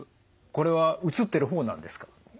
これは写ってる方なんですか？